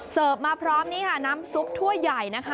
เสิร์ฟมาพร้อมนี่ค่ะน้ำซุปทั่วใหญ่นะคะ